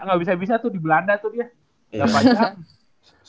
nggak bisa bisa tuh di belanda tuh dia